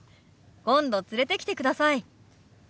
今度連れてきてください。